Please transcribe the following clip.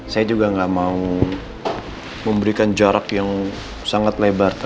saya juga gak mau memberikan jarak yang sangat lebar terhadap kompetitor